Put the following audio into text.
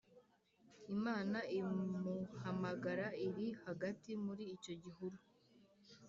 Imana imuhamagara iri hagati muri icyo gihuru